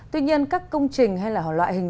tuy nhiên các công trình hay là loại hình